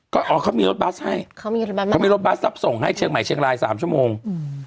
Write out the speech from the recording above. ก็อ๋อเขามีรถบัสให้เขามีรถเขามีรถบัสรับส่งให้เชียงใหม่เชียงรายสามชั่วโมงอืม